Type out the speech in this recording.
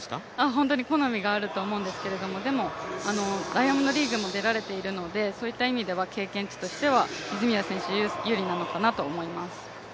本当に好みがあると思うんですがダイヤモンドリーグも出られているのでそういった意味では、経験値としては泉谷選手有利なのかなと思います。